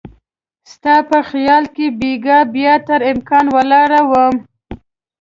ستا په خیالونو کې بیګا بیا تر امکان ولاړ مه